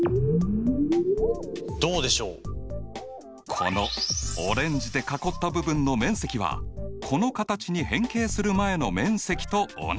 このオレンジで囲った部分の面積はこの形に変形する前の面積と同じ。